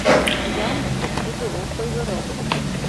Яндышев тудо ок ойгыро...